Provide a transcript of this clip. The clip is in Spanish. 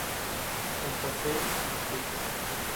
Santa Fe y Tte.